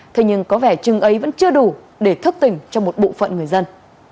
thế nhưng có vẻ chừng ấy vẫn chưa đủ để thức tỉnh cho một bộ phận người dân